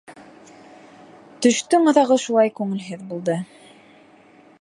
Төштөң аҙағы шулай күңелһеҙ булды.